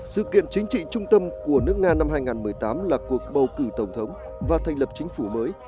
sự kiện chính trị trung tâm của nước nga năm hai nghìn một mươi tám là cuộc bầu cử tổng thống và thành lập chính phủ mới